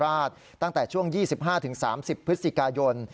ศรีธรรมราชตั้งแต่ช่วง๒๕ถึง๓๐พฤศจิกายน